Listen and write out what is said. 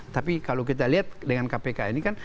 tapi kalau kita lihat dengan kpk ini kan